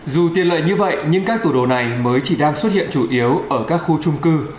dù tiền lợi như vậy nhưng các tủ đồ này mới chỉ đang xuất hiện chủ yếu ở các khu trung cư